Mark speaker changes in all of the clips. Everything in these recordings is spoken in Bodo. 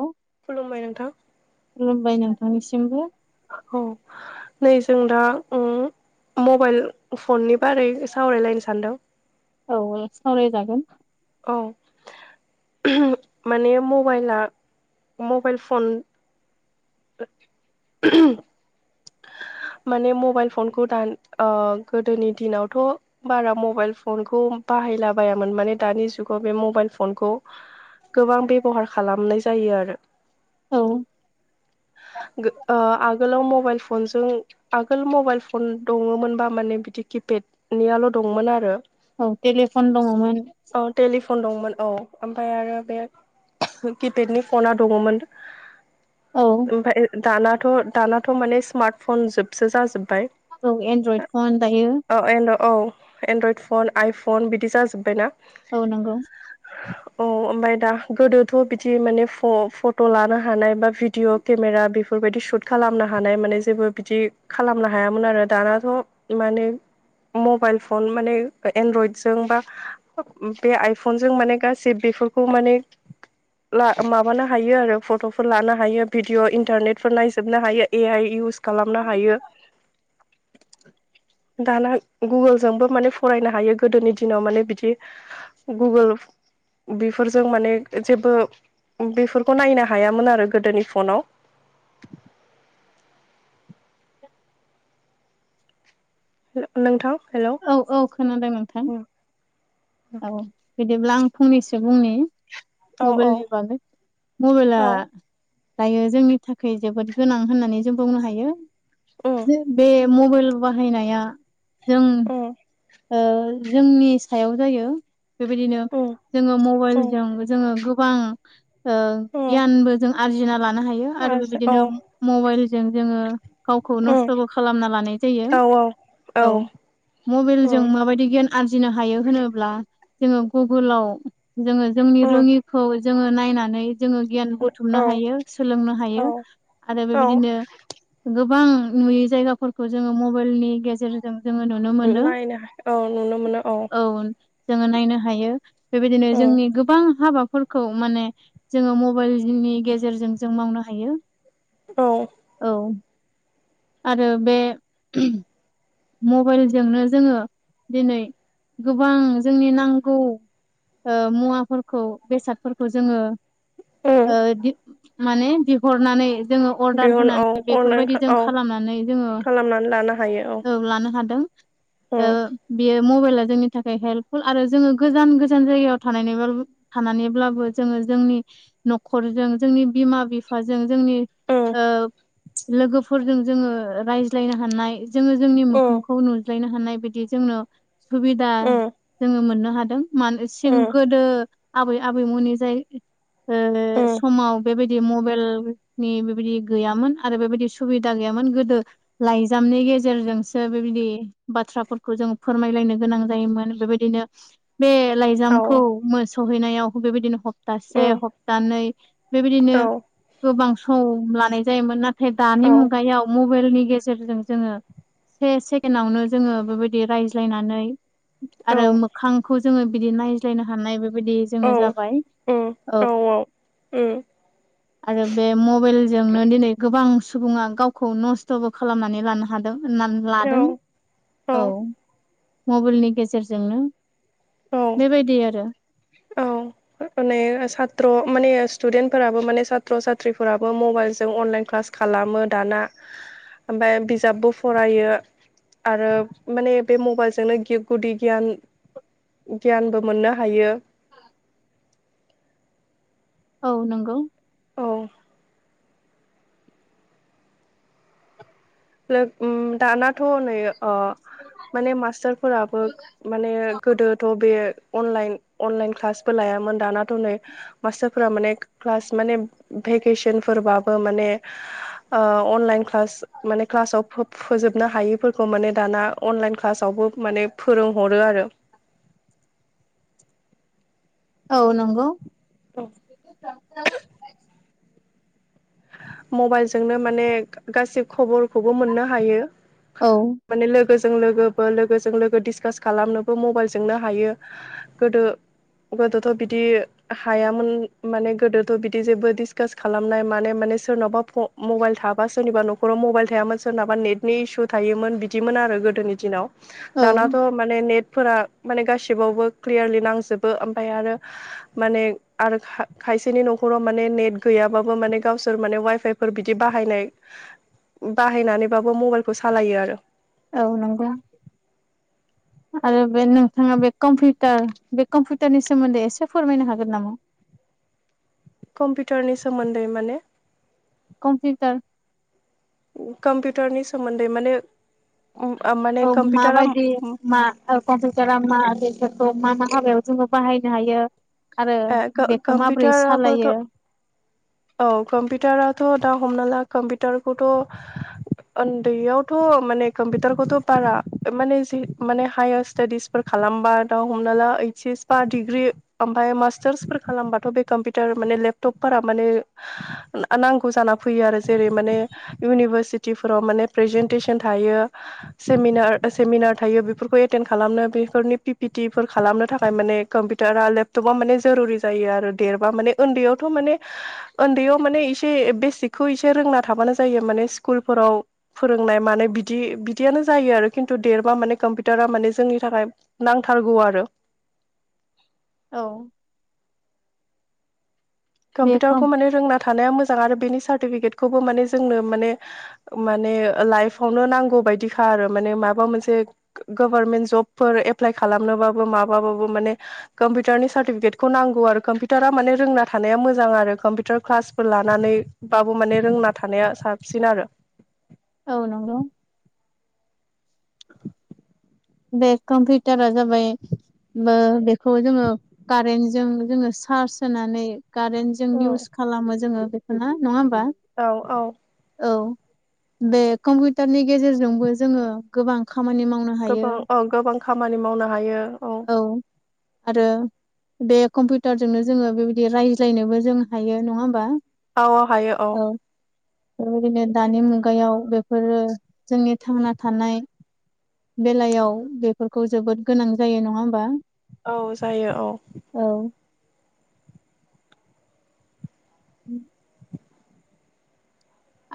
Speaker 1: औ
Speaker 2: खुमाय नोंथां
Speaker 1: खुलुमबाय नोंथांनिसिमबो
Speaker 2: औ नै जों दा मबाइल फननि बारै सावरायलायनो सानदों
Speaker 1: औ सावरायजागोन
Speaker 2: औ माने मबाइला मबाइल फन [inaudible]
Speaker 1: [inaudible]
Speaker 2: माने मबाइल फनखौ दा ओ गोदोनि दिनावथ' बारा मबाइल फनखौ बाहायलाबायायामोन माने दानि जुगाव बे मबाइल फनखौ गोबां बेबहार खालामनाय जायो आरो
Speaker 1: औ
Speaker 2: गो ओ आगोलाव मबाइल फनजों आगोल मबाइल फन दङोनबा माने बिदि किपेड नियाल' दंमोन आरो
Speaker 1: औ टेलिफन दङमोन।
Speaker 2: फन दंमोन औ ओमफ्राय आरो बे किपेडनि फना दङमोन।
Speaker 1: औ
Speaker 2: ओमफफ्राय दानाथ' दानाथ' माने स्मार्ट फन जोबसो जाजोब बाय
Speaker 1: औ एनड्रइड फन दायो
Speaker 2: औ [unintelligible] फन आइफन बिदि जाजोब्बाय ना?
Speaker 1: औ नंगौ
Speaker 2: औ ओमफाय दा गोदोथ' बिदि माने फ-फट' लानो हानाय बा भिडिअ' केमेरा बेफोरबायदि सुट खालामनो हानाय माने जेबो बिदि खालामनो हायामोन आरो दानाथ' माने मबाइल फन माने एनड्रइडजों बा बे आइफनजों माने गासै [unintelligible] बेफोरखौ माने ला माबानो हायो आरो फट'फोर लानो हायो भिडिअ इन्टारनेटफोर नायजोबनो हायो ए आइ इउस खालामनो हायो। दाना गुगोलजोंबो माने फरायनो हायो गोदोनि दिनाव माने बिदि गुगोल बेफोरजों माने जेबो बेफोरखौ नायनो हायामोन आरो गोदोनि फनाव
Speaker 1: [inaudible]
Speaker 2: नो-नोंथां
Speaker 1: औ औ खोनादों नोंथां औ बिदिब्ला आं फंनैसो बुंनि
Speaker 2: औ औ
Speaker 1: मबेइलनि बागै मबेइला
Speaker 2: औ
Speaker 1: दायो जोंनि थाखै जोबोद गोनां होननानै जों बुंनो हायो
Speaker 2: उम
Speaker 1: जे बे मबेइल बाहायनाया जों
Speaker 2: उम
Speaker 1: ओ जोंनि सायाव जायो बेबायदिनो
Speaker 2: उम
Speaker 1: जोङो
Speaker 2: उम
Speaker 1: मबेइलजों जोङो गोबां ओ
Speaker 2: उम
Speaker 1: गियानबो जों आरजिना लानो हायो आरो बेबायदिनो मबेइल जों जोङो गावखौ
Speaker 2: उम
Speaker 1: नस्थ'बो खालामना लानाय जायो औ मबेइलजों
Speaker 2: उम
Speaker 1: माबायदि गियान आरजिनो हायो होनोब्ला जोङो गुगोलाव जोङो जोंनि
Speaker 2: उम
Speaker 1: रोङिखौ जोङो नायनानै जोङो गियान बुथुमनो
Speaker 2: औ
Speaker 1: हायो सोलोंनो
Speaker 2: औ
Speaker 1: हायो आरो
Speaker 2: औ
Speaker 1: बेबायदिनो गोबां नुयि जायगाफोरखौ जोङो मबेइलनि गेजेरजों जोङो नुनो मोनो।
Speaker 2: नायनो औ नुनो मोनो औ
Speaker 1: जोङो नायनो हायो बेबायदिनो
Speaker 2: उम
Speaker 1: जोंनि गोबां हाबाफोरखौ माने जोङो मबेइल [unintelligible] गेजेरजों जों मावनो हायो।
Speaker 2: औ
Speaker 1: औ आरो बे [unintelligible] मबेइलजोंनो जोङो दिनै गोबां जोंनि नांगौ। ओ मुवाफोरखौ बेसादफोरखौ जोङो ओ
Speaker 2: उम
Speaker 1: [unintelligible] माने बिहरनानै जोङो अर्डार
Speaker 2: बिहन औ
Speaker 1: होनानै
Speaker 2: अनलाइन
Speaker 1: बेफोरबायदि जों
Speaker 2: औ
Speaker 1: खालामनानै जोङो
Speaker 2: खालामनानै लानो हायो
Speaker 1: औ लानो हादों ओ बेयो मबेइला जोंनि थाखाय हेल्पफुल आरो जोङो गोजान गोजान जायगायाव थानानै-थानानैब्लाबो जोङो जोंनि न'खरजों जोंनि बिमा बिफाजों जोंनि
Speaker 2: उम
Speaker 1: ओ लोगोफोरजों जोङो रायज्लायनो हानाय। जोङो जोंनि
Speaker 2: उम
Speaker 1: मोखांखौ नुज्लायनो हानाय बायदि जोंनो सुबिदा
Speaker 2: उम
Speaker 1: जोङो मोननो हादों। मान सिं
Speaker 2: उम
Speaker 1: गोदो आबै आबैमोनि जाय
Speaker 2: उम
Speaker 1: समाव बेबायदि मबाइलनि बेबायदि गैयामोन आरो बेबायदि सु सुबिदा गैयामोन गोदो लाइजामनि गे जेरजोंसो बेबायदि बाथ्राफोरखौ जों फोरमायलायनो गोनां जायोमोन बेबायदिनो बे
Speaker 2: औ
Speaker 1: लाइजामखौ सहैनायाव बेबायदिनो ह प्तासे
Speaker 2: उम
Speaker 1: हप्तानै बेबायदिनो
Speaker 2: औ
Speaker 1: गोबां सम लानाय जायोमोन ना थाय
Speaker 2: औ
Speaker 1: दानि मुगायाव मबाइलनि गेजेरजों जोङो से सेकेणडावनो जोङो बेबायदि रायज्लायनानै
Speaker 2: औ
Speaker 1: आरो मोखांखौ जोङो बिदि नायज्लायनो हानाय बेबायदि जोङो जाबाय औ।
Speaker 2: उम
Speaker 1: आरो बे मबाइलजोंनो दिनै गोबां सु बुङा गावखौ नस्थ'बो खालामनानै लानो हादों। होननानै लादों औ। मबाइलनि गेजेरजोंनो।
Speaker 2: औ
Speaker 1: बेबायदि आरो
Speaker 2: औ। माने सात्र' माने स्टुडेन्टफोराबो माने सात्र' साथ्रिफोराबो मबाइलजों अनलाइन क्लास खालामो दाना ओमफाय बिजाबबो फरायो। आरो माने बे मबाइलजोंनो गि गुदि गियान गियानबो मोननो हायो।
Speaker 1: औ नोंगौ।
Speaker 2: औ। लो ओम दाना थ' नै माने मास्टारफोराबो माने गोदोथ' बे अलाइ अनलाइन क्लासबो लायामोन दानाथ' नै मास्टारफोरा माने क्लास माने भेकेसनफोरबाबो माने ओ अनलाइन क्लास माने क्लासाव फो-फोजोब फोजोबनो हायैफोरखौ माने दाना अनलाइन क्लासावबो माने फोरोंहरो आरो।
Speaker 1: [inaudible] औ नंगौ।
Speaker 2: मबाइलजोंनो माने गासि खबरखौबो मोननो हायो।
Speaker 1: औ।
Speaker 2: माने लोगोजों लोगोबो लोगोजों लोगो डिसकास खालामनोबो मबाइलजोंनो हायो। गोदो गोदोथ' बिदि हायामोन माने गोदोथ' बिदि जेबो डिसकास खालामनाय माने माने सोरनाबा प' मबाइल थाबा सोरनिबा न'खराव मबाइल थायामोन सोरनाबा नेटनि इसु थायोमोन बिदिमोन आरो गो गोदोनि दिनाव
Speaker 1: औ
Speaker 2: दानाथ' माने नेट फोर माने गासिबावबो क्लियारलि नांजोबो ओमफ्राय आरो माने आरो खा खा खायसेनि न'खराव माने नेट गैयाबाबो माने गाव सोर माने अवाइफाइफोर बिदि बाहायनाय बाहायनानैबाबो मबाइलखौ सालायो आरो।
Speaker 1: औ नंगौ। आरो बे नोंथाङा बे कम्पिउटार बे कम्पिउटारनि सोमोन्दै एसे फोरमायनो हागोन नामा? [inaudible]
Speaker 2: कम्पिउटारनि सोमोन्दै माने?
Speaker 1: कम्पिउटार।
Speaker 2: कम्पिउटारनि सोमोन्दै माने माने
Speaker 1: औ
Speaker 2: कम्पिउटारा
Speaker 1: माबायदि मा कमपिउटारा मा बेफोर खौ जैङो मा मा हाबायाव जोङो बाहायनो हायो? आरो
Speaker 2: ए
Speaker 1: बेखौ माबोरै
Speaker 2: क-कम्पिउटाराबोथ'
Speaker 1: सालायो
Speaker 2: औ कम्पिउटाराथ' हमना ला कम्पिउटारखौथ' उन्दैयावथ' माने कम्पिउटारखौथ' बारा माने जि माने हायार स्टाडिसफोर खालामबा दा हमना ला एस बा डिग्रि ओफाय मास टार्सफोर खालामबाथ' बे कम्पिउटार माने लेपटपफोरा माने नांगौ जाना फैयो आरो जे माने इउनिपारशिथिफोराव माने फ्रेसेनथेसन थायो, सेमिनार थायो बेफोरखौ एटेन्ड खालामनो बेफोरनि पिपिटिफोर खालामनो थाखाय माने कम्पिउटारा लेपटपा माने जेरुरि जायो आरो देरबा माने उन्दैयावथ' माने उन्दैयाव माने एसे बेसिकखौ एसे। फोरोंना थाबानो जायो माने स्कुल फोराव फोरोंनाय मान बिदि बिदियानो जायो आरो खिन्थु देरबा माने। कम्पिउटारा मान जोंनि थाखाय नांथारगौ आरो।
Speaker 1: औ बे कम
Speaker 2: कम्पिउटारखौ माने रोंना थानाया मोजां। आरो बेनि सार्टिफिकेटखौबो माने जोंनो माने माने लाइफआवनो नांगौ बायदिखा। आरो माने माबा मोनसे गभार्मेन्ट जबफोर एप्लाइ खालामनोबाबो माबाबाबो माने कम्पिउारनि सार्टिफिकेखौांगौ आरो कम्पिउारा माने रोंनानै। थानाया मोजां आरो। कम्पिउटार क्लासफोर लानानैबाबो माने रोंना थानाया साबसिन आरो।
Speaker 1: औ नंगौ। बे कम्पिउटारा जाबाय बेखौ जोङो कारेन्टजों जोङो चार्ज होनानै कारेन्ट जों इउस खालामो जोङो बेखौ ना नङा होमबा?
Speaker 2: औ औ
Speaker 1: औ बे कम्पिउटारनि गेजेरजोंबो जोङो गोबां खामानि मावनो हायो।
Speaker 2: गोबां औ गोबां खामानि मावनो हायो औ।
Speaker 1: आरो बे कम्पिउटारजोंनो जोङो बेबायदि रायज्लायनोबो जों हायो नङा होमबा?
Speaker 2: औ हायो औ
Speaker 1: बेबायदिनो दानि मुगायाव बेफोरो जोंनि थांना थानाय बेलायाव बेफोरखौ जोबोद गोनां जायो नङा होमबा?
Speaker 2: औ जायो औ।
Speaker 1: औ [unintelligible]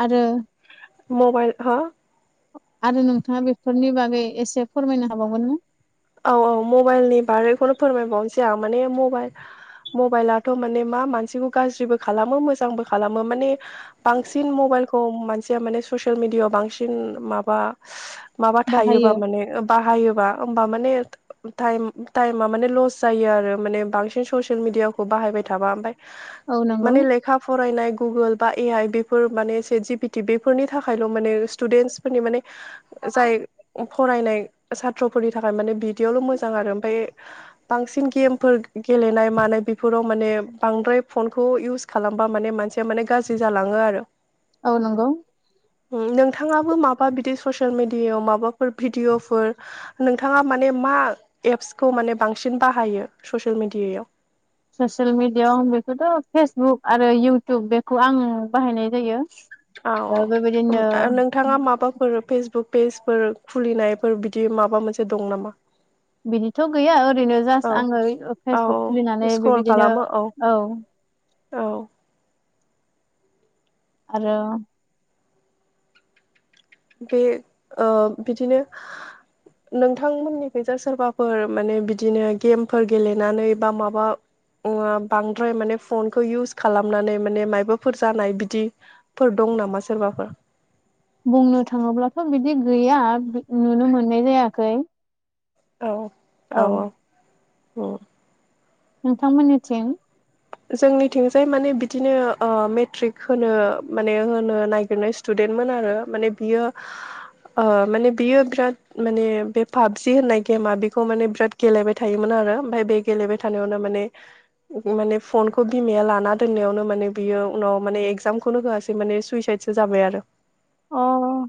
Speaker 1: आरो
Speaker 2: मबाइल हा
Speaker 1: आरो नोंथाङा बेफोरनि बागै एसे फोरमायनो हाबावगोना?
Speaker 2: औ औ मबाइलनि बारैखौनो फोरमायबावनोसै आं माने मबाइल मबाइलाथ' माने मा मानसिखौ गाज्रिबो खालामो मोजांबो खालामो माने बांसिन मबाइल खौ मानसिया माने ससियेल मिडिया आव बांसिन माबा माबा थायोबा
Speaker 1: बाहायो
Speaker 2: माने बाहायोबा माने टाइम टाइमा माने लस जायो आरो माने बांसिन ससियेल मिडियाखौ बाहायबाय थाबा ओमफाय
Speaker 1: औ नंगौ
Speaker 2: माने लेखा फरायनाय गुगोल बा ए आइ बेफोर माने एसे जिपिटि बेफोरनि थाखायल' माने स्टुडेन्टसफोरनि माने जाय फरायनाय साथ्र'फोरनि थाखाय माने बिदियावल' मोजां आरो ओमफ्राय
Speaker 1: [unintelligible]
Speaker 2: बांसिन गेमफोर गेलेनाय मानाय बेफोराव माने बांद्राय फनखौ इउस खालामबा माने मानसिया माने गाज्रि जालाङो आरो।
Speaker 1: औ नंगौ।
Speaker 2: नोंथाङाबो माबा बिदि ससियेल मिडियाआव माबाफोर भिडिअफोर नोंथाङा माने मा एप्सखौ माने बांसिन बाहायो ससियेल मिडियाआव
Speaker 1: ससियेल मिडियाआव आं बेखौथ' फेसबुक। आरो इउटुब बेखौ आं बाहायनाय जायो।
Speaker 2: औ
Speaker 1: ओ बेबायदिनो
Speaker 2: औ नोंथाङा माबाफोर फेसबुक पेजफोर खुलिनायफोर बिदि माबा मोनसे दं नामा?
Speaker 1: बिदिथ' गैया ओरैनो
Speaker 2: औ
Speaker 1: जास्ट आङो
Speaker 2: औ
Speaker 1: फेसबुक खुलिनानै
Speaker 2: स्क्रल
Speaker 1: बेबायदिनो
Speaker 2: खालामो
Speaker 1: औ। [inaudible]
Speaker 2: औ
Speaker 1: आरो
Speaker 2: बे ओ बिदिनो नोंथांमोननिखैजा सोरबाफोर माने बिदिनो गेमफोर गेलेनानै बा माबा बांद्राय माने फनखौ इउस खालामनानै माने मायबाफोर जानाय बिदिफोर दं नामा सोरबाफोर?
Speaker 1: बुंनो थाङोब्लाथ' बिदि गैया नुनो मोननाय जायाखै।
Speaker 2: औ औ औ औ।
Speaker 1: नोंथांमोननिथिं?
Speaker 2: जोंनिथिंजाय माने बिदिनो ओ मेट्रिक होनो माने होनो नागिरनाय स्टुडेन्ट मोन आरो माने बियो ओ माने बियो बिराद माने बे पाबजि होननाय गेमा बेखौ माने बिराद गेलेबाय थायोमोन आ रो ओमफ्राय बे गेलेबाय थानायावनो माने माने फनखौ बिमाया लाना दोननायावनो माने बियो उनाव माने एगजामखौनो होआासै माने सुइसाइदसो जाबाय आरो।
Speaker 1: अ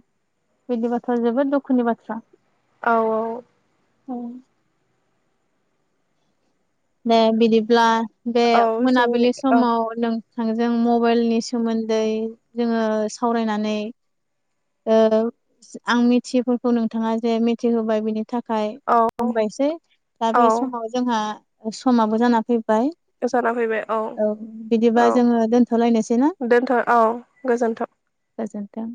Speaker 1: बिदिबाथ' जोबोद दुखुनि बाथ्रा।
Speaker 2: औ औ।
Speaker 1: औ। दे बिदिब्ला बे
Speaker 2: औ जोंनि
Speaker 1: मोनाबिलि
Speaker 2: औ
Speaker 1: समाव नों थांजों मबाइलनि सोमोन्दै जोङो सावरायनानै ओ आं मिथियैफोरखौ नोंथाङा जे मिथिहोबाय बिनि थाख खाय
Speaker 2: औ
Speaker 1: हामबायसै दा
Speaker 2: औ
Speaker 1: बे समाव जोंहा समाबो जाना फैबाय।
Speaker 2: जाना फैबाय
Speaker 1: औ बिदिबा
Speaker 2: औ
Speaker 1: जोङो दोनथ'लायनोसै ना।
Speaker 2: दोनथ' औ गोजोन्थों
Speaker 1: गोजोन्थों।